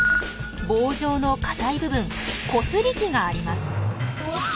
棒状の硬い部分「コスリ器」があります。